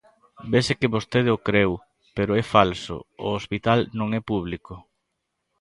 Vese que vostede o creu, pero é falso, o hospital non é público.